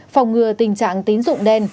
phòng ngừa tình trạng tính dụng đen